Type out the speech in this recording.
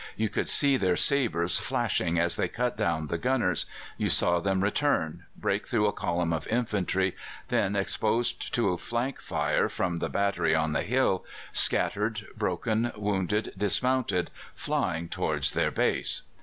You could see their sabres flashing as they cut down the gunners; you saw them return, break through a column of infantry, then, exposed to a flank fire from the battery on the hill, scattered, broken, wounded, dismounted, flying towards their base.